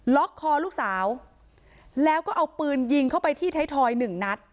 ล็อกคอลูกสาวแล้วก็เอาปืนยิงเข้าไปที่ไทยทอยหนึ่งนัด